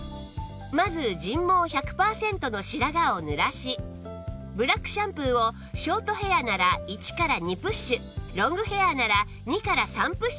まず人毛１００パーセントの白髪を濡らしブラックシャンプーをショートヘアなら１から２プッシュロングヘアなら２から３プッシュ出します